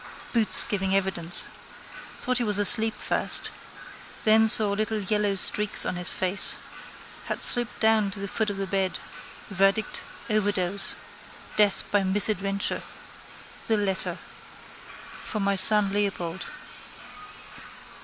Boots giving evidence. Thought he was asleep first. Then saw like yellow streaks on his face. Had slipped down to the foot of the bed. Verdict: overdose. Death by misadventure. The letter. For my son Leopold.